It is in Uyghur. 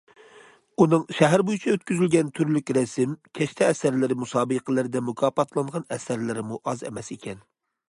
ئۇنىڭ شەھەر بويىچە ئۆتكۈزۈلگەن تۈرلۈك رەسىم، كەشتە ئەسەرلىرى مۇسابىقىلىرىدە مۇكاپاتلانغان ئەسەرلىرىمۇ ئاز ئەمەس ئىكەن.